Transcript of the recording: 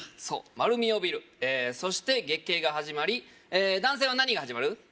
そう丸みをおびるそして月経が始まり男性は何が始まる？